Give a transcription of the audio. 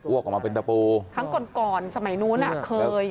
วกออกมาเป็นตะปูครั้งก่อนก่อนสมัยนู้นอ่ะเคย